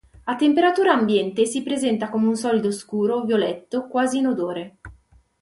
A temperatura ambiente si presenta come un solido scuro violetto quasi inodore.